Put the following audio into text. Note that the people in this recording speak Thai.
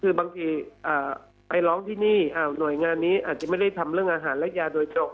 คือบางทีไปร้องที่นี่หน่วยงานนี้อาจจะไม่ได้ทำเรื่องอาหารและยาโดยตรง